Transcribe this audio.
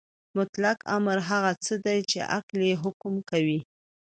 مطلق امر هغه څه دی چې عقل یې حکم کوي.